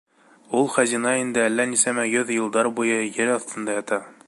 Ул хазина инде әллә нисәмә йөҙ йылдар буйы ер аҫтында ята.